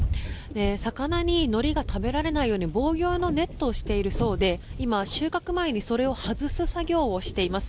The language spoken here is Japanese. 魚に、のりが食べられないように防御用のネットをしているそうで今、収穫前にそれを外す作業をしています。